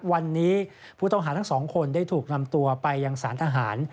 วันนี้ผู้ต้องหาทั้งสองคนได้ถูกนำตัวไปยังสารทหาร